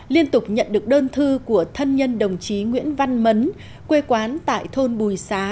liên tục nhận được đơn thư của thân nhân đồng chí nguyễn văn mấn quê quán tại thôn bùi xá